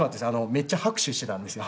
めっちゃ拍手してたんですよ